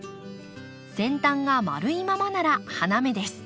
先端が丸いままなら花芽です。